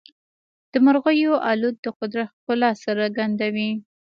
د مرغیو الوت د قدرت ښکلا څرګندوي.